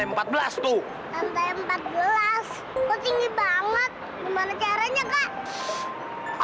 gimana caranya kak